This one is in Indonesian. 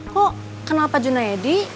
kok kenal pak juna ya di